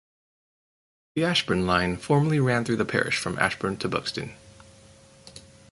The Ashbourne line formerly ran through the parish from Ashbourne to Buxton.